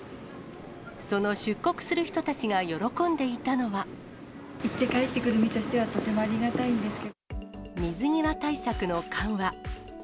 その出国する人たちが喜んでいた行って帰ってくる身としては、水際対策の緩和。